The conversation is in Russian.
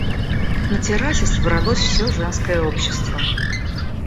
На террасе собралось всё женское общество.